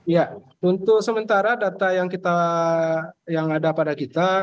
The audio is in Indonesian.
ya untuk sementara data yang ada pada kita